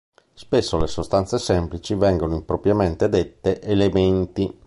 Spesso le sostanze semplici vengono impropriamente dette "elementi".